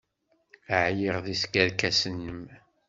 Ɛyiɣ seg tkerkas-nnem!